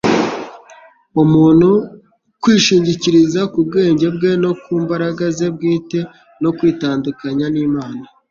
Umuntu kwishingikiriza ku bwenge bwe no ku mbaraga ze bwite, ni ukwitandukanya n'Imana.